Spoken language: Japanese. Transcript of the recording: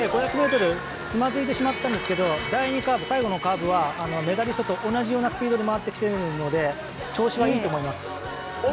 ５００ｍではつまずいてしまったんですけど最後のカーブはメダリストと同じようなスピードで回ってきているので調子はいいと思います。